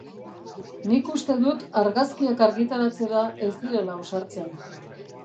Nik uste dut argazkiak argitaratzera ez direla ausartzen.